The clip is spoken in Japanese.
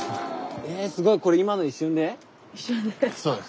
えすごいこれ今の一瞬で？